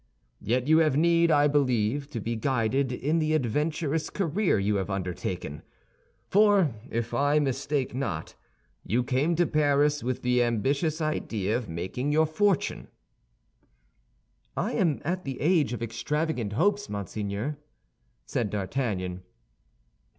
Yet you have need, I believe, to be guided in the adventurous career you have undertaken; for, if I mistake not, you came to Paris with the ambitious idea of making your fortune." "I am at the age of extravagant hopes, monseigneur," said D'Artagnan.